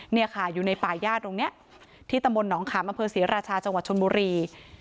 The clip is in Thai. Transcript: เนี่ยค่ะอยู่ในป่าย่าตรงเนี้ยที่ตำรวจนนขามอศรีราชาจังหวัดชนมุรี